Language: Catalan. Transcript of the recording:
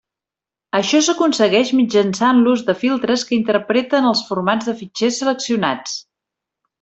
Això s'aconsegueix mitjançant l'ús de filtres que interpreten els formats de fitxers seleccionats.